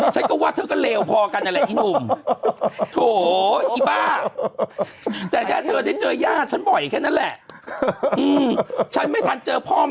ฉันก็ว่าพ่อกันเธอก็เลี่ยวพอกันนะแหละอีหนุ่ม